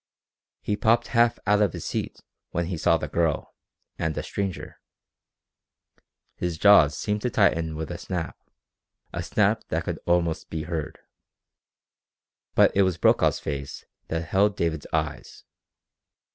He popped half out of his seat when he saw the girl, and a stranger. His jaws seemed to tighten with a snap. A snap that could almost be heard. But it was Brokaw's face that held David's eyes.